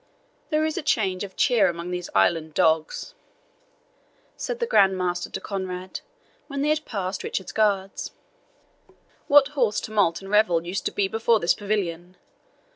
"There is a change of cheer among these island dogs," said the Grand Master to Conrade, when they had passed Richard's guards. "What hoarse tumult and revel used to be before this pavilion!